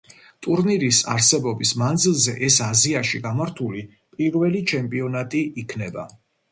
ტურნირის არსებობის მანძილზე ეს აზიაში გამართული პირველი ჩემპიონატი იქნება.